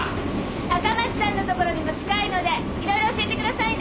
赤松さんのところにも近いのでいろいろ教えてくださいね！